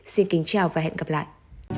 xin kính chào và hẹn gặp lại